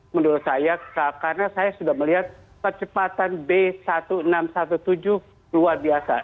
menurut saya karena saya sudah melihat kecepatan b seribu enam ratus tujuh belas luar biasa